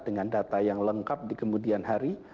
dengan data yang lengkap di kemudian hari